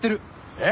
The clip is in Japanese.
えっ？